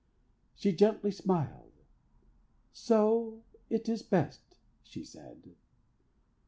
She gently smiled. "So it is best," she said.